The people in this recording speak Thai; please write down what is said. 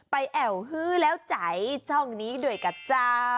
แอวฮื้อแล้วใจช่องนี้ด้วยกันจ้า